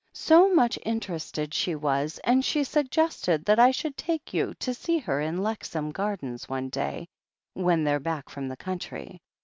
So much interested she was, and she suggested that I should take you to see her in Lexham Gardens one day when they're back from the country.